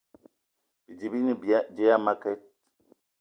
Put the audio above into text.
Bidi bi ne dia a makit